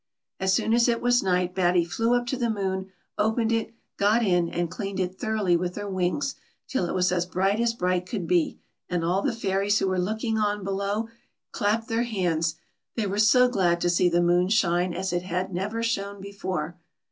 As soon as it was night, Batty flew up to the moon, opened it, got in, and cleaned it thoroughly with her wings, till it was as bright as bright could be ; and all the fairies who were looking on below clapped their hands, they were so glad to see the moon shine as it had never shone before.